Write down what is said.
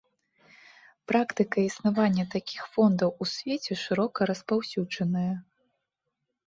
Практыка існавання такіх фондаў у свеце шырока распаўсюджаная.